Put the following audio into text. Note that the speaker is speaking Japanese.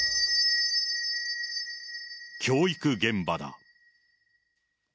教育現場だ。